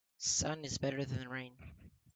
Sun is better than rain.